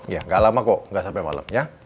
ya ga lama kok ga sampe malem ya